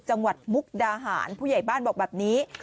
มุกดาหารผู้ใหญ่บ้านบอกแบบนี้